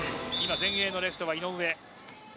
前衛のレフトは井上。